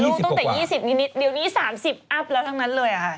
เดี๋ยวนี้๓๐อัพแล้วทั้งนั้นเลยค่ะ